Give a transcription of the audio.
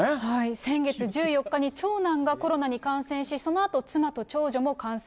先月１４日に長男がコロナに感染し、そのあと妻と長女も感染。